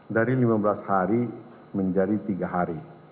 dari lima belas hari menjadi tiga hari